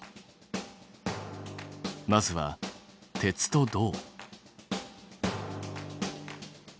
まずは鉄と銅。